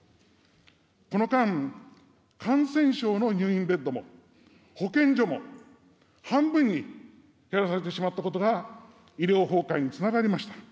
この間、感染症の入院ベッドも保健所も、半分に減らされてしまったことが医療崩壊につながりました。